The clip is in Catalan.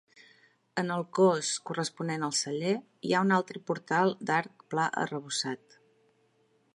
En el cos corresponent al celler, hi ha un altre portal d'arc pla arrebossat.